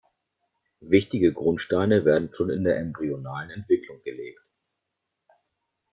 Wichtige Grundsteine werden schon in der embryonalen Entwicklung gelegt.